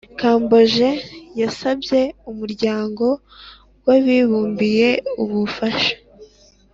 kamboje yasabye umuryango w’abibumbye ubufasha.